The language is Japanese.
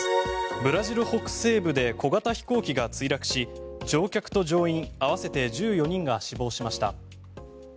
ブラジル北西部で小型飛行機が墜落し乗客と乗員合わせて１４人が死亡しました。